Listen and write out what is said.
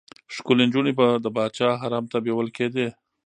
ښکلې نجونې به د پاچا حرم ته بېول کېدې.